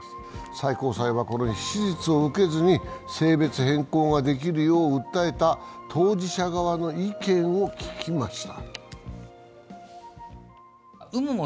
最高裁はこの日、手術を受けずに性別変更ができるよう訴えた当事者側の意見を聞きました。